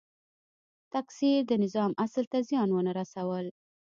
تکثیر د نظام اصل ته زیان ونه رسول.